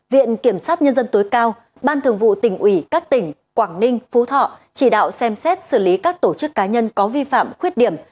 viện kiểm sát nhân dân tối cao ban thường vụ tỉnh ủy các tỉnh quảng ninh phú thọ chỉ đạo xem xét xử lý các tổ chức cá nhân có vi phạm khuyết điểm